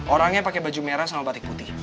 orangnya pakai baju merah sama batik putih